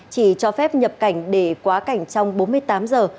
chỉ cho phép nhập cảnh để quá cảnh trong bốn mươi tám giờ